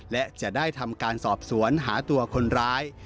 และจะได้ทำการสอบสวนหาตัวคนร้าย